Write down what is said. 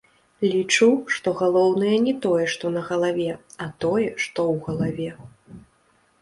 Лічу, што галоўнае не тое, што на галаве, а тое, што ў галаве.